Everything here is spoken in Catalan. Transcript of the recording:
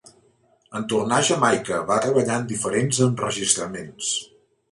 En tornar a Jamaica va treballar en diferents enregistraments.